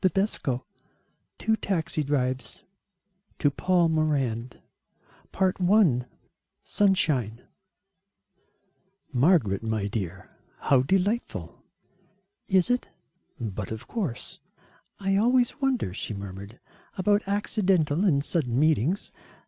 XIV TWO TAXI DRIVES [To PAUL MORAND] I: SUNSHINE "Margaret, my dear, how delightful." "Is it?" "But of course." "I always wonder," she murmured, "about accidental and sudden meetings.